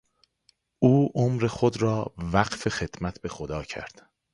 او عمر خود را وقف خدمت به خدا کرد.